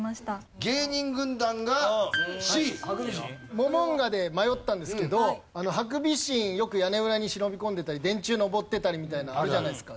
モモンガで迷ったんですけどハクビシンよく屋根裏に忍び込んでたり電柱登ってたりみたいなのあるじゃないですか。